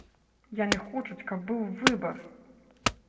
Яны хочуць, каб быў выбар.